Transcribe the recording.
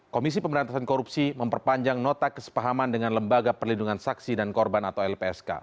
komisi pemberantasan korupsi memperpanjang nota kesepahaman dengan lembaga perlindungan saksi dan korban atau lpsk